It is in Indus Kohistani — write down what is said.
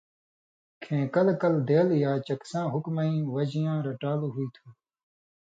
کھیں کلہۡ کلہۡ ”دېل یا چکساں حُکُمَیں وجیاں رٹان٘لو ہُوئ تُھو۔